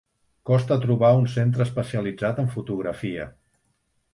Costa trobar un centre especialitzat en fotografia.